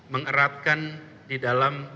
mengeratkan di dalam